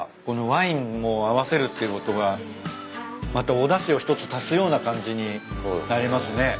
このワインも合わせるっていうことがまたおだしを一つ足すような感じになりますね。